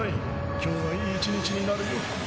今日はいい一日になるよ。